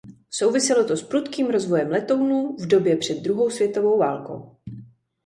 Souviselo to s prudkým rozvojem letounů v době před druhou světovou válkou.